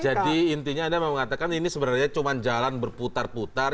intinya anda mau mengatakan ini sebenarnya cuma jalan berputar putar